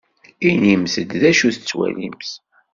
Inimt-d d acu tettwalimt.